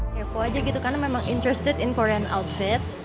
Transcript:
kefo aja gitu karena memang interested in korean outfit